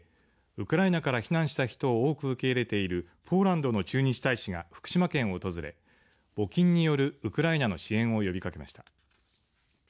ウクライナから避難した人を多く受け入れているポーランドの駐日大使が福島県を訪れ募金によるウクライナの支援を呼びかけました。